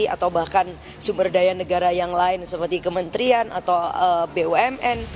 atau bahkan sumber daya negara yang lain seperti kementerian atau bumn